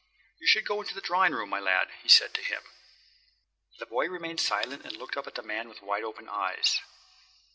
"You should go into the drawing room, my lad," he said to him. The boy remained silent and looked up at the man with wide open eyes.